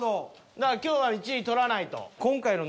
だから今日は１位獲らないと。